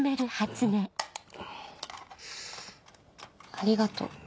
ありがとう。